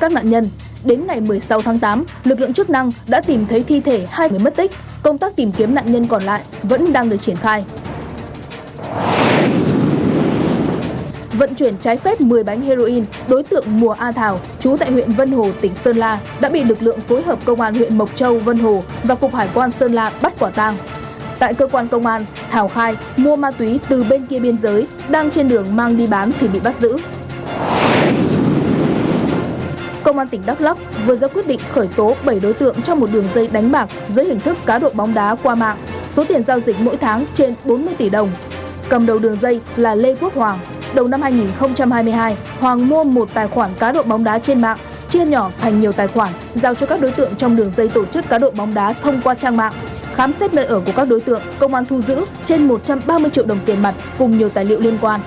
tháng năm năm hai nghìn hai mươi hai hoàng mua một tài khoản cá đội bóng đá trên mạng chia nhỏ thành nhiều tài khoản giao cho các đối tượng trong đường dây tổ chức cá đội bóng đá thông qua trang mạng khám xét nơi ở của các đối tượng công an thu giữ trên một trăm ba mươi triệu đồng tiền mặt cùng nhiều tài liệu liên quan